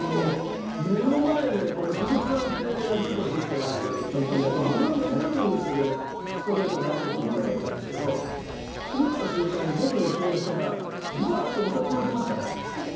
目の前で鈴木さんというヤクルトのピッチャーがいたんだけどムービングするストレートを投げるピッチャーだったんですが打った瞬間に僕の後ろの人がブワーッとお札をまきましたからね。